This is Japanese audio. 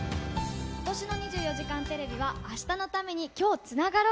ことしの２４時間テレビは明日のために、今日つながろう。